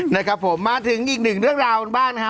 นะครับผมมาถึงอีกหนึ่งเรื่องราวกันบ้างนะฮะ